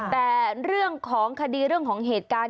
แต่เรื่องของคดีเรื่องของเหตุการณ์